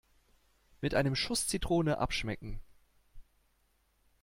Mit einem Schuss Zitrone abschmecken.